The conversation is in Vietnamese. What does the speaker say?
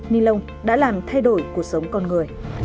ni lông đã làm thay đổi cuộc sống con người